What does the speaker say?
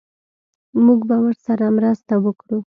موږ به ورسره مرسته وکړو